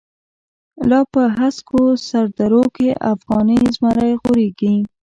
لاپه هسکوسردروکی، افغانی زمری غوریږی